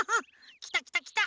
きたきたきた！